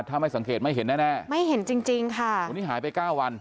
ถ้าไม่สังเกตไม่เห็นแน่แน่ไม่เห็นจริงจริงค่ะวันนี้หายไปเก้าวัน